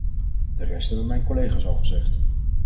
De rest hebben mijn collega's al gezegd.